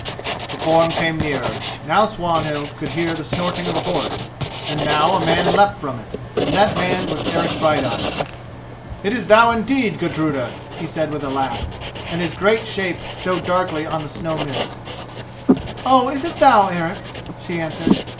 The form came nearer; now Swanhild could hear the snorting of a horse, and now a man leapt from it, and that man was Eric Brighteyes. "Is it thou indeed, Gudruda!" he said with a laugh, and his great shape showed darkly on the snow mist. "Oh, is it thou, Eric?" she answered.